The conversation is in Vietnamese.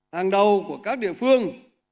hàng đầu của các địa phương